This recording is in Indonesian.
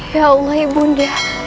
ya allah ibu nia